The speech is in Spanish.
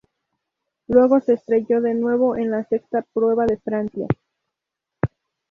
Luego se estrelló de nuevo en la sexta prueba en Francia.